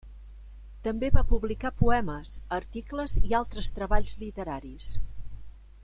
També va publicar poemes, articles i altres treballs literaris.